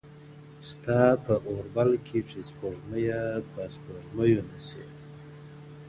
ستا په اوربل کيږي سپوږميه په سپوږميو نه سي.